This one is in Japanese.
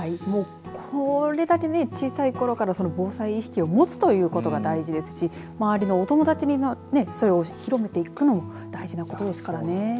これだけ小さいころから防災意識を持つということが大事ですし周りのお友達にそれを広めていくのも大事なことですからね。